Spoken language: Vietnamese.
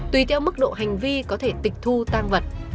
tùy theo mức độ hành vi có thể tịch thu tăng vật